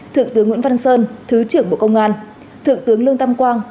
thượng tướng nguyễn văn sơn thứ trưởng bộ công an thượng tướng lương tam quang